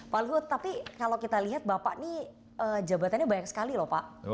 pak luhut tapi kalau kita lihat bapak ini jabatannya banyak sekali loh pak